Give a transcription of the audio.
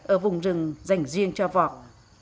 ở vùng rừng dành riêng cho vọc